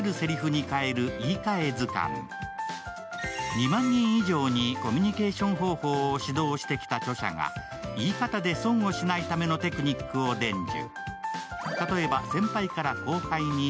２万人以上にコミュニケーション方法を指導してきた著者が言い方で損をしないためのテクニックを伝授。